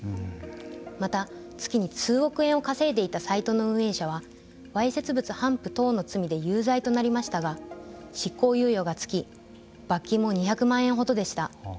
また、月に数億円を稼いでいたサイトの運営者はわいせつ物頒布等の罪で有罪となりましたが執行猶予がつき罰金も２００万円ほどでした。